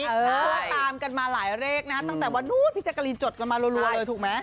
เพราะว่าตามกันมาหลายเลขนะฮะตั้งแต่วันนู้นพี่แจ๊กรีนจดกันมารัวเลยถูกไหม